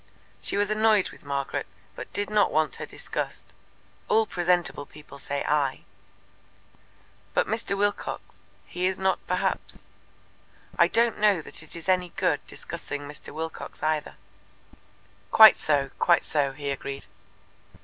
She was annoyed with Margaret, but did not want her discussed. "All presentable people say 'I.'" "But Mr. Wilcox he is not perhaps " "I don't know that it's any good discussing Mr. Wilcox either." "Quite so, quite so," he agreed.